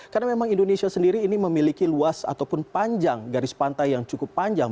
karena memang indonesia sendiri ini memiliki luas ataupun panjang garis pantai yang cukup panjang